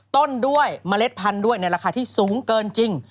ต้นด้วยเมล็ดพันธุ์ด้วยในราคาที่สูงเกินจริง